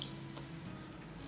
mas hasan kamu mau makan apa